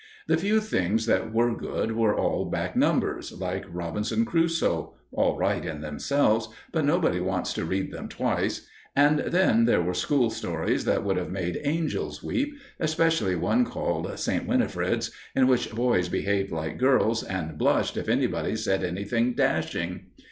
The few things that were good were all back numbers, like "Robinson Crusoe" all right in themselves, but nobody wants to read them twice; and then there were school stories that would have made angels weep, especially one called "St. Winifred's," in which boys behaved like girls and blushed if anybody said something dashing.